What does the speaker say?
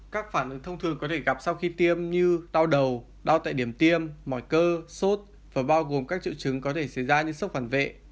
các phản ứng thông thường có thể gặp sau khi tiêm như đau đầu đau tại điểm tiêm mỏi cơ sốt và bao gồm các triệu chứng có thể xảy ra như sốc phản vệ